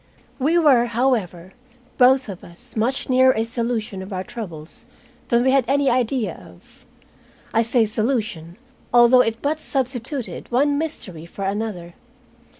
We were, however, both of us much nearer a solution of our troubles than we had any idea of. I say solution, although it but substituted one mystery for another.